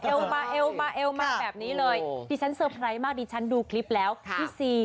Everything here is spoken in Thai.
เอ๊วมาเอจะแบบนี้เลยดิฉันมักดิฉันดูคลิปแล้วค่ะพี่ซี